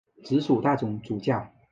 直属大总主教。